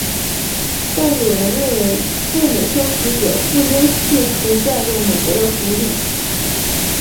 但是有人认为赴美生子者不应试图占用美国的福利。